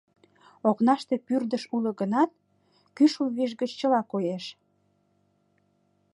Окнаште пӱрдыш уло гынат, кӱшыл виш гыч чыла коеш.